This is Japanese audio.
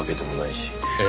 ええ。